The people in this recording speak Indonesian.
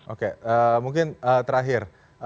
oke mungkin terakhir